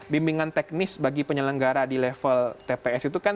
bimbingan teknis bagi penyelenggara di level tps itu kan